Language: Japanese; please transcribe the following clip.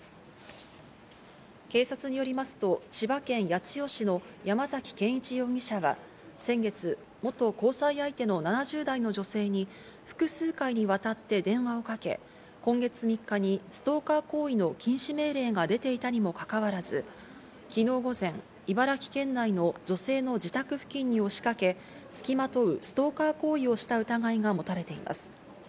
警察によりますと、千葉県八千代市の山崎健一容疑者は先月、元交際相手の７０代の女性に複数回にわたって電話をかけ、今月３日にストーカー行為の禁止命令が出ていたにもかかわらず、昨日午前、茨城県内の女性の自宅付近におしかけ、つきまとうストーカー行為をした疑いが持たれています。